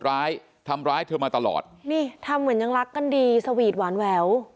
ทำร้ายทำร้ายเธอมาตลอดนี่ทำเหมือนยังรักกันดีสวีทหวานแหวว